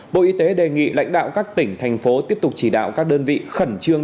bộ y tế đề nghị lãnh đạo các tỉnh thành phố tiếp tục chỉ đạo các đơn vị khẩn trương